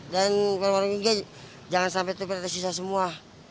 dan jangan sampai itu berarti susah semua